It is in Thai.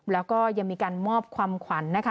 แล้วก็ยังมีการมอบความขวัญนะคะ